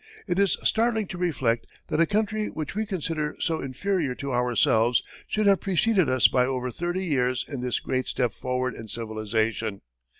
It is startling to reflect that a country which we consider so inferior to ourselves should have preceded us by over thirty years in this great step forward in civilization.